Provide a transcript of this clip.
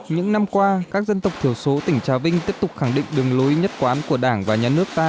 những năm qua các dân tộc thiểu số tỉnh trà vinh tiếp tục khẳng định đường lối nhất quán của đảng và nhà nước ta